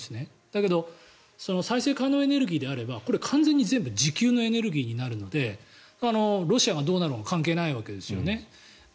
だけど再生可能エネルギーであれば完全に全部自給のエネルギーになるのでロシアがどうなろうが関係ないわけですよね。